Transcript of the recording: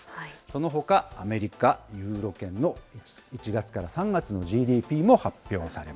そのほか、アメリカ、ユーロ圏の１月から３月のＧＤＰも発表され